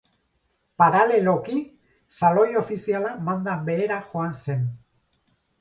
Paraleloki, Saloi ofiziala maldan behera joan zen.